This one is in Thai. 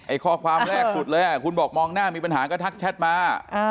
ข้อความแรกสุดเลยคุณบอกมองหน้ามีปัญหาก็ทักแชทมา